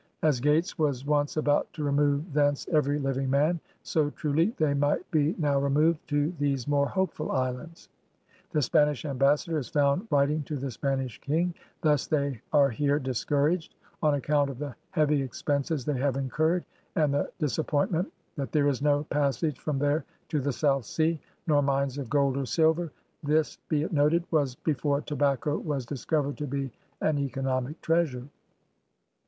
As Gates was once about to remove thence every living man, so truly they might be now removed to these more hopeful islands!" The Spanish Ambassador is found writing to the Spanish King: "Thus they are here discouraged .•• on account of the heavy expenses they have incurred, and the disappoint ment, that there is no passage from there to the South Sea ... nor mines of gold or silver.'* This, be it noted, was before tobacco was dis covered to be an economic treasure.